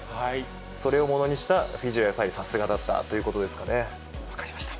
それをものにしたフィジーはやはりさすがだったということですか分かりました。